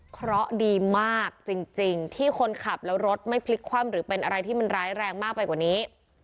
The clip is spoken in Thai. เพราะดีมากจริงที่คนขับแล้วรถไม่พลิกคว่ำหรือเป็นอะไรที่มันร้ายแรงมากไปกว่านี้